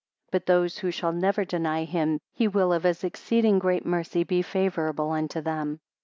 20 But those who shall never deny him, he will of his exceeding great mercy be favourable unto them.